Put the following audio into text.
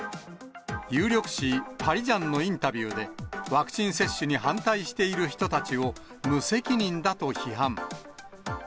有力紙、パリジャンのインタビューで、ワクチン接種に反対している人たちを、無責任だと批判。